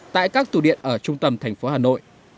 tại các tủ điện ở trung tâm thành phố hà nội